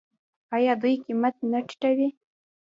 آیا دوی قیمت نه ټیټوي؟